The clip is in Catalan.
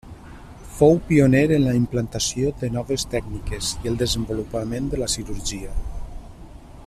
Fou pioner en la implantació de noves tècniques i el desenvolupament de la cirurgia.